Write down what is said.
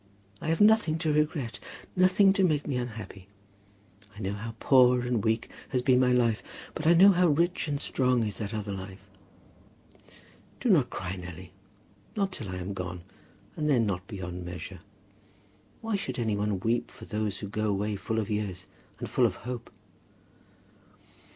I have nothing to regret, nothing to make me unhappy. I know how poor and weak has been my life; but I know how rich and strong is that other life. Do not cry, Nelly, not till I am gone; and then not beyond measure. Why should any one weep for those who go away full of years, and full of hope?"